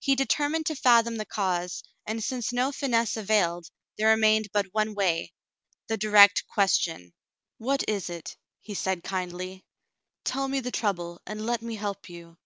He determined to fathom the cause, and since no finesse availed, there remained but one wav, — the direct question. "What is it .^" he said kindly. "Tell me the trouble, and let me help you."